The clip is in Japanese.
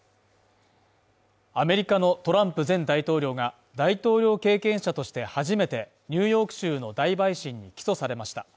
アメリカのトランプ前大統領が、大統領経験者として初めてニューヨーク州の大陪審に起訴されました。